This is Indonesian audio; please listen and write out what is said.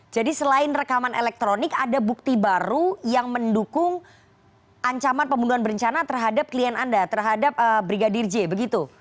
jadi selain rekaman elektronik ada bukti baru yang mendukung ancaman pembunuhan berencana terhadap klien anda terhadap brigadir j begitu